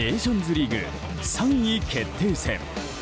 リーグ３位決定戦。